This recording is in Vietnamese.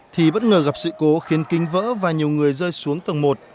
thì bất ngờ gặp sự cố khiến kinh vỡ và nhiều người rơi xuống tầng một